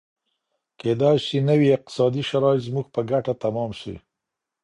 کیدای سي نوي اقتصادي شرایط زموږ په ګټه تمام سي.